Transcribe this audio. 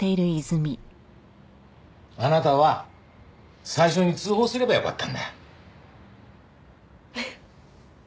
あなたは最初に通報すればよかったんだ。